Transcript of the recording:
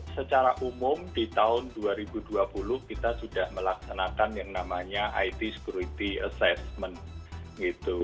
secara umum di tahun dua ribu dua puluh kita sudah melaksanakan yang namanya it security assessment gitu